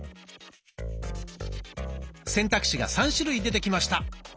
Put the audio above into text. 選択肢が３種類出てきました。